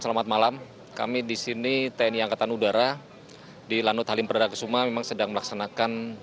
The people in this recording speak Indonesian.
selamat malam kami di sini tni angkatan udara di lanut halim perdana kusuma memang sedang melaksanakan